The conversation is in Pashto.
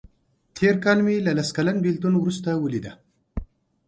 تېر کال مې له لس کلن بیلتون وروسته ولیده.